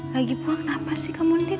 lagi pulang kenapa sih kamu din